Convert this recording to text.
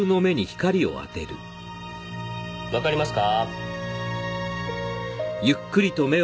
わかりますか？